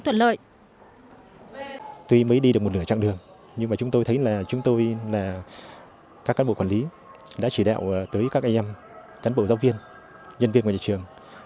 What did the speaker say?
tuy mới đi được một nửa chặng đường nhưng chúng tôi thấy là các cán bộ quản lý đã chỉ đạo tới các em cán bộ giáo viên nhân viên của nhà trường